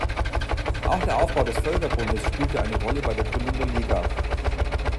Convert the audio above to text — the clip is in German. Auch der Aufbau des Völkerbundes spielte eine Rolle bei der Gründung der Liga.